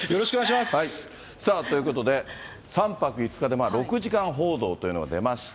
さあ、ということで、３泊５日で６時間報道というのが出ました。